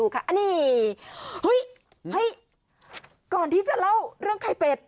อันนี้ก่อนที่จะเล่าเรื่องไข่เป็ด